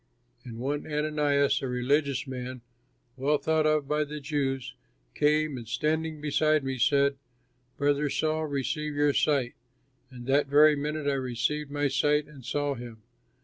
And one Ananias, a religious man, well thought of by the Jews, came and, standing beside me, said, 'Brother Saul, receive your sight,' and that very minute I received my sight and saw him.